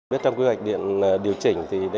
bước trong kế hoạch điện điều chỉnh thì